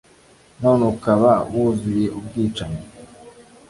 none ukaba wuzuye ubwicanyi?